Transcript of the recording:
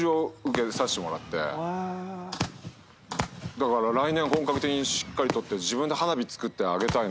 だから来年本格的に取って自分で花火作って上げたいな。